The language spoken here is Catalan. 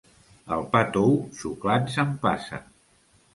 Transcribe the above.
El pa tou xuclant s'empassa.